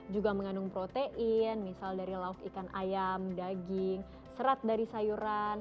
juga mengandung protein misal dari lauk ikan ayam daging serat dari sayuran